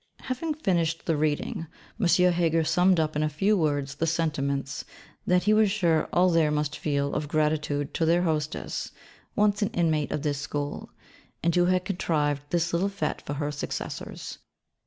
Having finished the 'reading,' M. Heger summed up in a few words the sentiments that 'he was sure all there must feel of gratitude to their hostess, once an inmate of this school; and who had contrived this little fête for her successors.